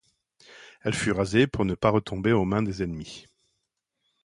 Elle fut rasée pour ne pas retomber aux mains des ennemis.